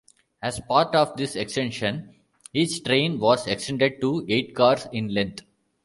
As part of this extension, each train was extended to eight cars in length.